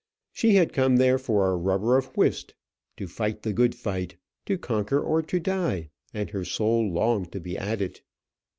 She had come there for a rubber of whist to fight the good fight to conquer or to die, and her soul longed to be at it.